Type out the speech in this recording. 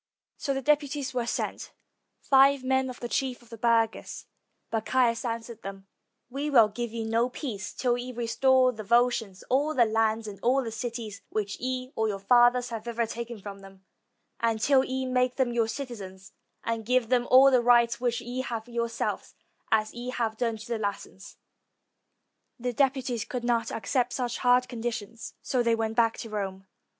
So deputies were sent, five men of the chief of the burghers; but Caius answered them, "We will give you no peace till ye restore to the Volscians all the land and all the cities which ye or your fathers have ever taken from them; and till ye make them your citizens, and give them all the rights which ye have yourselves, as ye have done to the Latins." The deputies could not accept such hard conditions, so they went back to Rome.